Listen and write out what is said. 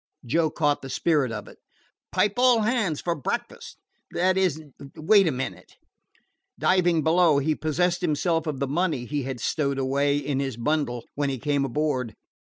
Joe caught the spirit of it. "Pipe all hands for breakfast that is wait a minute." Diving below, he possessed himself of the money he had stowed away in his bundle when he came aboard.